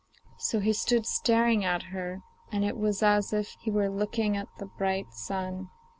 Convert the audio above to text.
So he stood staring at her, and it was as if he were looking at the bright sun.